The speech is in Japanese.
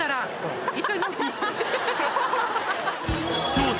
調査